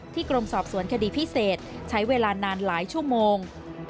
กรมสอบสวนคดีพิเศษใช้เวลานานหลายชั่วโมง